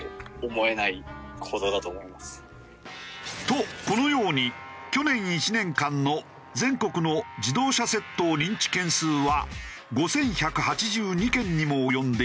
とこのように去年１年間の全国の自動車窃盗認知件数は５１８２件にも及んでいるのだが。